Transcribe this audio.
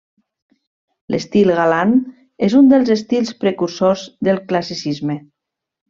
L'estil galant és un dels estils precursors del Classicisme.